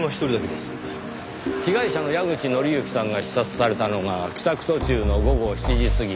被害者の矢口紀之さんが刺殺されたのが帰宅途中の午後７時過ぎ。